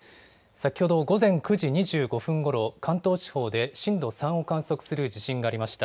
先ほど午前９時２５分ごろ、関東地方で震度３を観測する地震がありました。